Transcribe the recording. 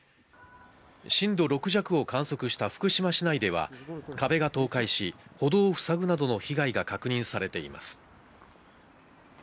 震度６弱を観測した福島市内では壁が倒壊し、歩道をふさぐなどの被害が確認されています。